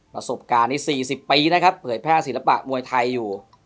ประสบการณ์นี้๔๐ปีนะครับเผยแพร่ศิลปะมวยไทยอยู่